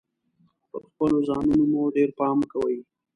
پر خپلو ځانونو مو ډیر پام کوﺉ .